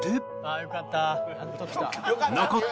「よかった」